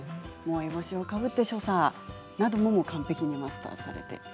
烏帽子をかぶっての所作なども完璧にマスターされたと。